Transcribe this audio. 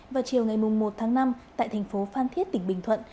vào chiều ngày một tháng năm tại thành phố phan thiết tỉnh bình thuận